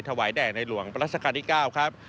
ถวายแดดในหลวงประชาคาที่๙ครับ